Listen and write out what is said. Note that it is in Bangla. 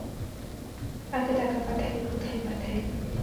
কাকে টাকা পাঠাই, কোথায় পাঠাই।